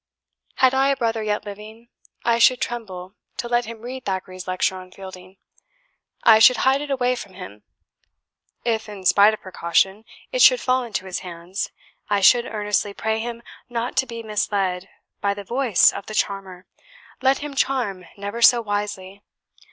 Had I a brother yet living, I should tremble to let him read Thackeray's lecture on Fielding. I should hide it away from him. If, in spite of precaution, it should fall into his hands, I should earnestly pray him not to be misled by the voice of the charmer, let him charm never so wisely.